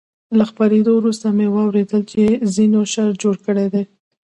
له خپرېدو وروسته مې واورېدل چې ځینو شر جوړ کړی دی.